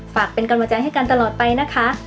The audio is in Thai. ฝากเป็นกำลังใจให้กันตลอดไปนะคะ